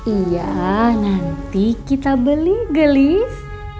iya nanti kita beli gelis